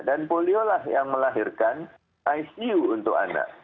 dan poliolah yang melahirkan icu untuk anak